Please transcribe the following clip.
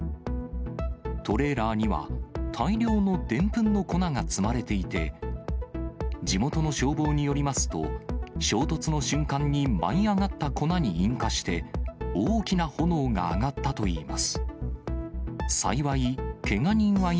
トレーラーには、大量のでんぷんの粉が積まれていて、地元の消防によりますと、衝突の瞬間に舞い上がった粉に引火して、大きな炎が上がったといいます。